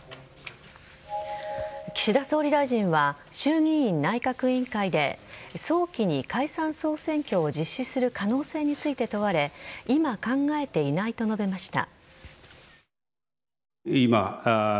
岸田総理大臣は衆議院内閣委員会で早期に、解散総選挙を実施する可能性について問われ今考えていないと述べました。